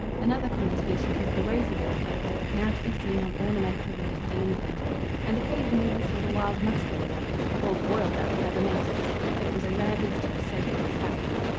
Another common species was the rosy billed duck, now to be seen on ornamental waters in England; and occasionally we saw the wild Muscovy duck, called Royal duck by the natives, but it was a rare visitor so far south.